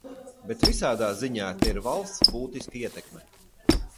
Bet visādā ziņā te ir valsts būtiska ietekme.